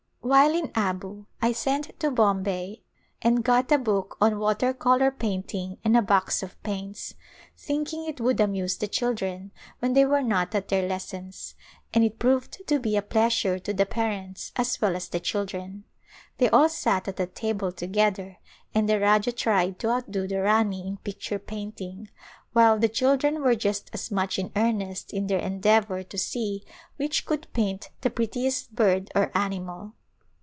While in Abu I sent to Bombay and got a book on water color painting and a box of paints, thinking it A Royal Wedding would amuse the children when they were not at their lessons, and it proved to be a pleasure to the parents as well as the children. They all sat at a table to gether and the Rajah tried to outdo the Rani in pic ture painting, while the children were just as much in earnest in their endeavor to see which could paint the prettiest bird or animal.